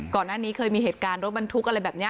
ก่อนหน้านี้เคยมีเหตุการณ์รถบรรทุกอะไรแบบนี้